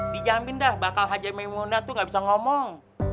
dijamin dah bakal hajar memunah tuh gak bisa ngomong